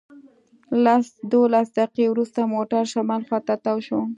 لس دولس دقیقې وروسته موټر شمال خواته تاو شو.